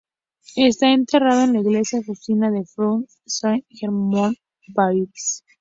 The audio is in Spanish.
Está enterrado en la iglesia agustina de Faubourg Saint-Germain, París.